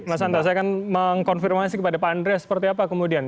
mas santa saya akan mengkonfirmasi kepada pak andreas seperti apa kemudian